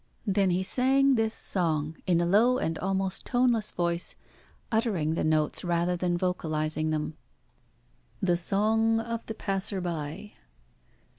Then he sang this song, in a low and almost toneless voice, uttering the notes rather than vocalising them. THE SONG OF THE PASSER BY.